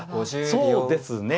そうですね。